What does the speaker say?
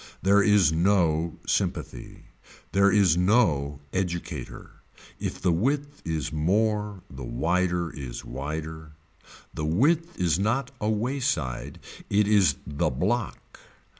There is no sympathy. There is no educator. If the width is more the wider is wider. The width is not a wayside it is the block.